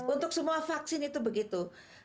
untuk semua vaksin itu begitu